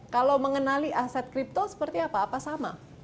kalau mengenali aset kripto seperti apa apa sama